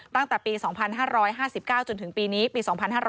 ตั้งแต่ปี๒๕๕๙จนถึงปีนี้ปี๒๕๕๙